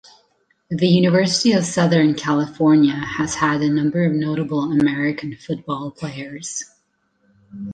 The University of Southern California has had a number of notable American football players.